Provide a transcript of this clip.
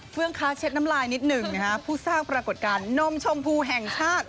ค้าเช็ดน้ำลายนิดหนึ่งนะฮะผู้สร้างปรากฏการณ์นมชมพูแห่งชาติ